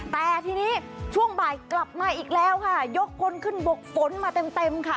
แต่ทีนี้ช่วงบ่ายกลับมาอีกแล้วค่ะยกคนขึ้นบกฝนมาเต็มเต็มค่ะ